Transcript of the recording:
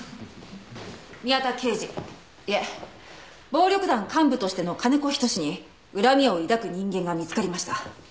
宮田刑事いえ暴力団幹部としての金子仁に恨みを抱く人間が見つかりました。